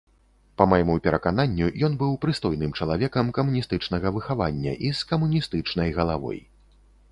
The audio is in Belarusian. Па майму перакананню, ён быў прыстойным чалавекам камуністычнага выхавання і з камуністычнай галавой.